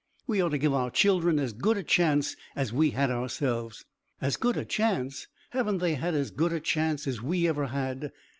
We ought to give our children as good a chance as we had ourselves." "As good a chance! Haven't they had as good a chance as we ever had?